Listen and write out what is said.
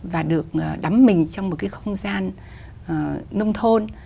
và được đắm mình trong một cái không gian nông thôn